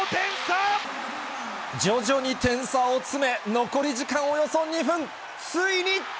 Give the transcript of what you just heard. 徐々に点差を詰め、残り時間およそ２分、ついに。